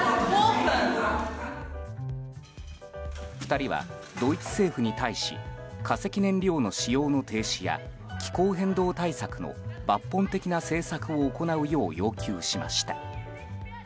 ２人はドイツ政府に対し化石燃料の使用の停止や気候変動対策の抜本的な政策を行うよう要求しました。